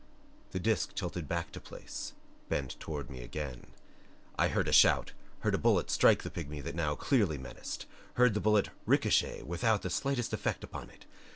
The disc tilted back to place, bent toward me again. I heard a shout; heard a bullet strike the pigmy that now clearly menaced; heard the bullet ricochet without the slightest effect upon it.